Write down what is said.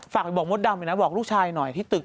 ฝากบอกมดดำเดี๋ยวบอกลูกชายหน่อยที่ตึก